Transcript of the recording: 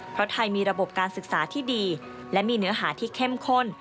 เพราะไทยมีระบบการศึกษาที่ดีและมีเนื้อหาที่เข้มข้น